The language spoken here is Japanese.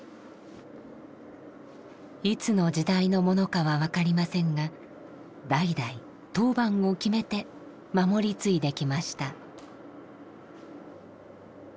いつの時代のものかは分かりませんが代々当番を決めて守り継いできました。